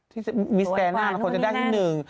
ที่มีแสดงหน้าคนจะได้ที่หนึ่ง